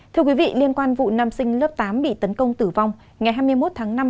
thưa quý vị liên quan vụ nam sinh lớp tám bị tấn công tử vong ngày hai mươi một tháng năm